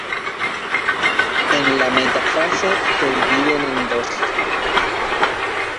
En la metafase se dividen en dos.